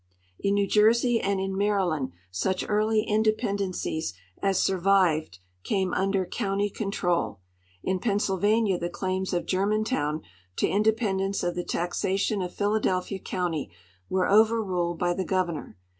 In New Jersey and in ^Maryland such early independencies as survived came under county control. In Pennsylvania the claims of GermantoAvn to independence ot the taxation of Philadelphia county Avere over ruled b}'^ the governor.